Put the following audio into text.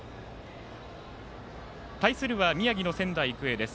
対するは宮城の仙台育英です。